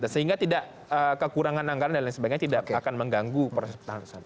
sehingga tidak kekurangan anggaran dan lain sebagainya tidak akan mengganggu proses penerusan